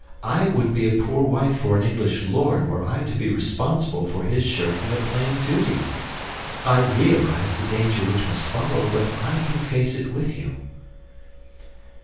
I would be a poor wife for an English lord were I to be responsible for his shirking a plain duty. I realize the danger which must follow, but I can face it with you."